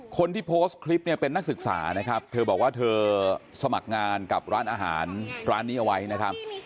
คนที่โพสต์คลิปเนี่ยเป็นนักศึกษานะครับเธอบอกว่าเธอสมัครงานกับร้านอาหารร้านนี้เอาไว้นะครับ